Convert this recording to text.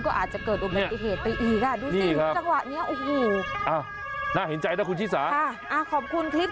ก็อาจจะเกิดอุบัติเหตุไปอีกดูสิที่ระหวะนี้